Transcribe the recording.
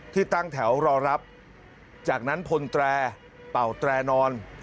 ที่ตั้งแถวรอรับจากนั้นพลแตรเป่าแตรนอน